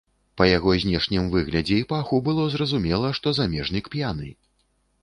Па яго знешнім выглядзе і паху было зразумела, што замежнік п'яны.